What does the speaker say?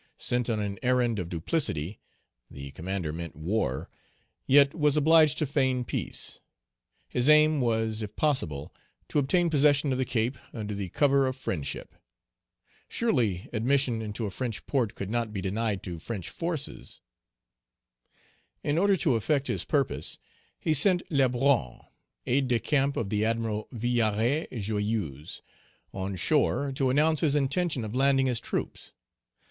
Sent on an errand of duplicity, the commander meant war, yet was obliged to feign peace. His aim was, if possible, to obtain possession of the Cape, under the cover of friendship. Surely, admission into a French port could not be denied to French forces. In order to effect his purpose, he sent Lebrun, aide de camp of the admiral Villaret Joyeuse, on shore, to announce his intention of landing his troops.